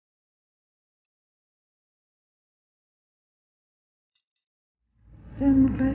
dia ngasihmu sihir norway nyeri juga ya ga jadi sihir indonesia